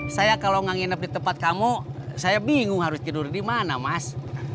saya kalau nggak nginep di tempat kamu saya bingung harus tidur di mana mas